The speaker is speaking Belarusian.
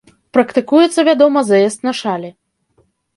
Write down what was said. Практыкуецца, вядома, заезд на шалі.